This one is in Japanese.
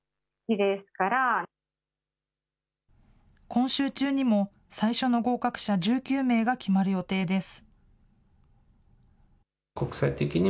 今週中にも最初の合格者１９名が決まる予定です。